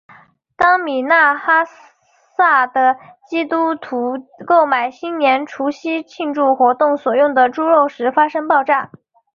当米纳哈萨的基督徒购买新年除夕庆祝活动所用的猪肉时发生爆炸。